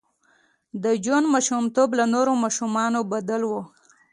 د جون ماشومتوب له نورو ماشومانو بدل و